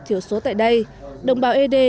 thiểu số tại đây đồng bào ế đê